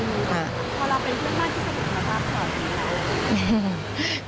เสียรู้สึกว่าเข้าผู้ค่าไว้